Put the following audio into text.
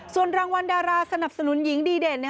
ส่วนรางวัลดาราสนับสนุนหญิงดีเด่น